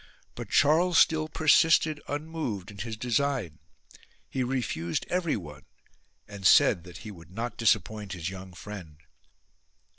But Charles still persisted unmoved in his design ; he refused everyone, and said that he would not disappoint his young friend.